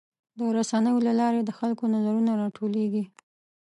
د رسنیو له لارې د خلکو نظرونه راټولیږي.